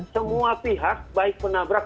semua pihak baik penabrak